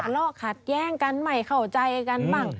ลอกขัดแย้งกันไม่เข้าใจกันบ้าง